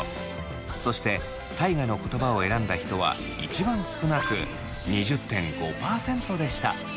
そして大我の言葉を選んだ人は一番少なく２０．５％でした。